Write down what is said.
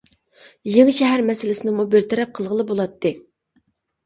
يېڭىشەھەر مەسىلىسىنىمۇ بىر تەرەپ قىلغىلى بولاتتى.